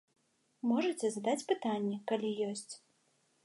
Можаце, задаць пытанні, калі ёсць.